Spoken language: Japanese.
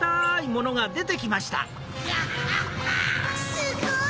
すごい！